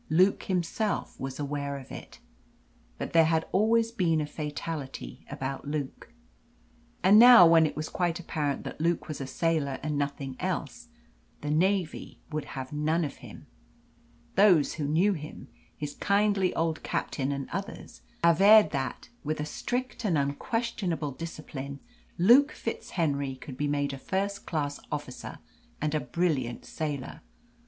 Luke himself was aware of it. But there had always been a fatality about Luke. And now, when it was quite apparent that Luke was a sailor and nothing else, the Navy would have none of him. Those who knew him his kindly old captain and others averred that, with a strict and unquestionable discipline, Luke FitzHenry could be made a first class officer and a brilliant sailor.